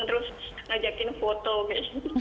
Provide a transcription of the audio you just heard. terus ngajakin foto gitu